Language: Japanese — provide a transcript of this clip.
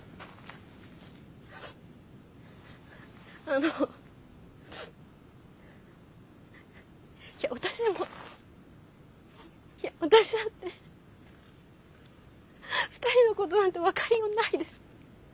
あの私にも私だって２人のことなんて分かりようもないです。